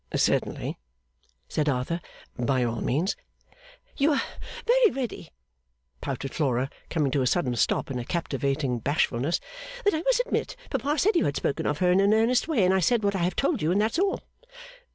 'Certainly,' said Arthur. 'By all means.' 'You are very ready,' pouted Flora, coming to a sudden stop in a captivating bashfulness, 'that I must admit, Papa said you had spoken of her in an earnest way and I said what I have told you and that's all.